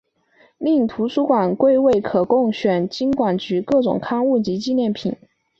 另图书馆柜位可供选购金管局各种刊物及纪念品。